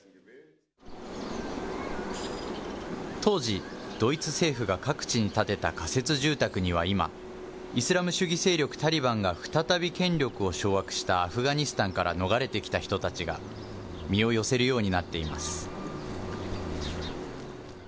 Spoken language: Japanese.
当時、ドイツ政府が各地に建てた仮設住宅には今、イスラム主義勢力タリバンが再び権力を掌握したアフガニスタンから逃れてきた人たちが身を寄せるようになっています。